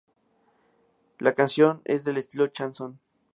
La canción es del estilo "chanson".